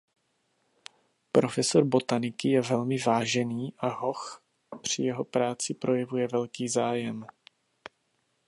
Profesor botaniky je velmi vážený a hoch při jeho práci projevuje velký zájem.